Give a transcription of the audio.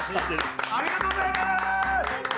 ありがとうございます！